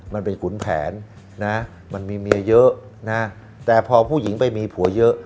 มันเป็นขุนแผนนะมันมีเมียเยอะนะแต่พอผู้หญิงไปมีผัวเยอะ